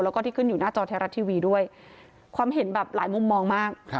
แล้วก็ที่ขึ้นอยู่หน้าจอไทยรัฐทีวีด้วยความเห็นแบบหลายมุมมองมาก